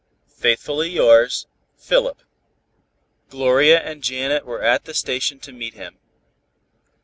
"Faithfully yours, "PHILIP." Gloria and Janet Strawn were at the station to meet him.